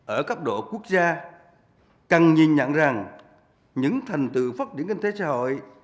ở cấp độ quốc gia cần nhìn nhận rằng những thành tựu phát triển kinh tế xã hội